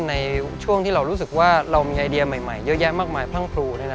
ในช่วงที่เรารู้สึกว่าเรามีไอเดียใหม่เยอะแยะมากมายพรั่งพลู